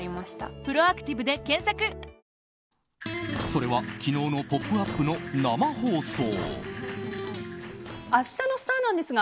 それは昨日の「ポップＵＰ！」の生放送。